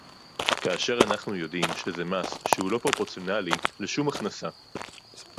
כאשר אנחנו יודעים שזה מס שהוא לא פרופורציונלי לשום הכנסה